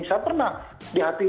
saya pernah di hati